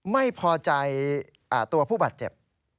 ไม่พอใจตัวผู้บาดเจ็บ